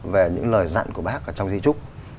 về những lời dặn của bác ở trong di trúc